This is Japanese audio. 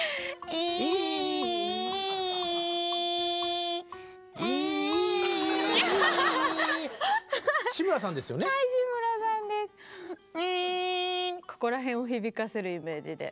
いここら辺を響かせるイメージで。